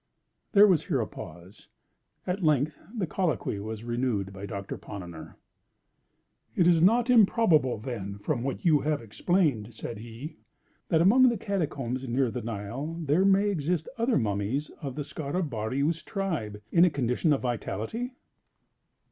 There was here a pause. At length the colloquy was renewed by Doctor Ponnonner. "It is not improbable, then, from what you have explained," said he, "that among the catacombs near the Nile there may exist other mummies of the Scarabaeus tribe, in a condition of vitality?"